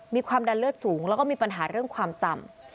มีความดันเลือดสูงแล้วก็มีปัญหาเรื่องความจำ